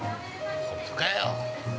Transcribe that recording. ◆本当かよ。